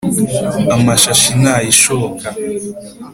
Amashashi ntayishoka